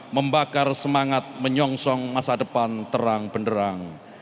membakar semangat menyongsong masa depan terang benderang